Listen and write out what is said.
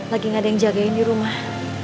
lagi nggak ada yang jagain di rumah